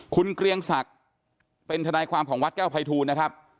คุณเกรียงศักดิ์เป็นทนายความของวัดแก้วภัยทูลนะครับ